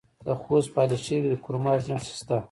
د خوست په علي شیر کې د کرومایټ نښې شته.